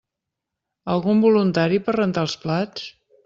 Algun voluntari per rentar els plats?